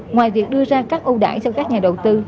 ngoài việc đưa ra các ưu đải cho các nhà đầu tư